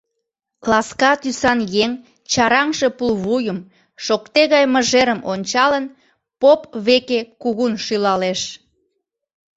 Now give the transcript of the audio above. Ласка тӱсан еҥ чараҥше пулвуйым, шокте гай мыжерым ончалын, поп веке кугун шӱлалеш.